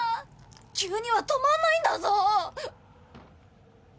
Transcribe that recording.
急には止まらないんだぞ！